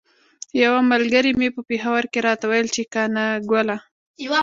یوه ملګري مې په پیښور کې راته ویل چې قانه ګله.